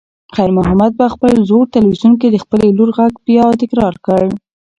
خیر محمد په خپل زوړ تلیفون کې د خپلې لور غږ بیا تکرار کړ.